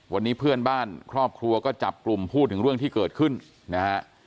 วันนี้เพื่อนบ้านครอบครัวก็จับกลุ่มพูดถึงเรื่องที่เกิดขึ้นนะฮะ